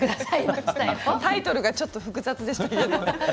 タイトルがちょっと複雑ですけれど。